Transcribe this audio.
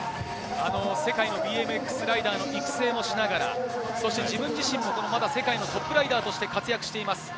ＢＭＸライダーの育成もしながら、自分自身も世界のトップライダーとして活躍しています。